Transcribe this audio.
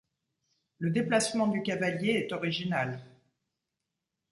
Le déplacement du cavalier est original.